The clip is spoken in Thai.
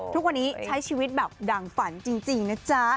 ทุกวันนี้ใช้ชีวิตแบบดั่งฝันจริงนะจ๊ะ